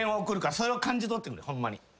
それを感じとってくれホンマに。